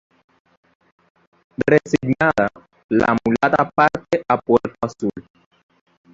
Resignada, la mulata parte a Puerto Azul.